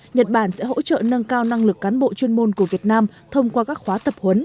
nhật bản sẽ hỗ trợ nâng cao năng lực cán bộ chuyên môn của việt nam thông qua các khóa tập huấn